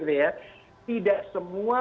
gitu ya tidak semua